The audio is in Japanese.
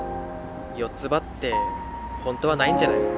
４つ葉ってほんとはないんじゃないの。